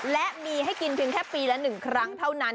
และมีให้กินเพียงแค่ปีละ๑ครั้งเท่านั้น